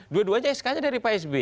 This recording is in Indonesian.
dua duanya eskalanya dari psb